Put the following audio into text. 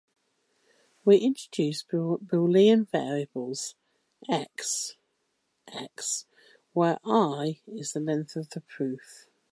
We introduce Boolean variables "x"...,"x", where "l" is the length of the proof.